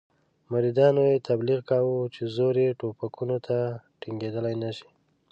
مریدانو یې تبلیغ کاوه چې زور یې ټوپکونو ته ټینګېدلای نه شي.